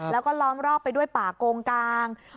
แล้วก็ล้อมรอบไปด้วยป่าโกงกลาง